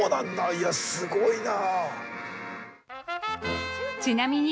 いやすごいな。